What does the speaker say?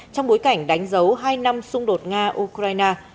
trong bối cảnh đánh dấu hai năm xung đột nga ukraine